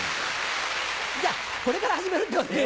じゃあこれから始めるってことで。